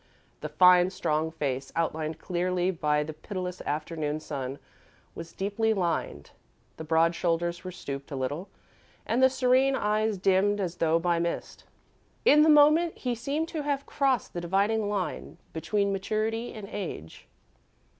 The fine, strong face, outlined clearly by the pitiless afternoon sun, was deeply lined: the broad shoulders were stooped a little, and the serene eyes dimmed as though by mist. In the moment he seemed to have crossed the dividing line between maturity and age.